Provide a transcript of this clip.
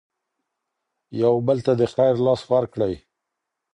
يو بل ته د خير لاس ورکړئ.